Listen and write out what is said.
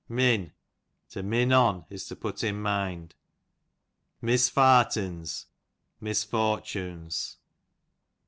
Min, to min on, is to put in mind. Misfartins, misfortunes.